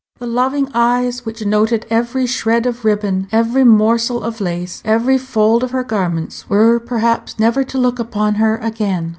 The loving eyes which noted every shred of ribbon, every morsel of lace, every fold of her garments, were, perhaps, never to look upon her again.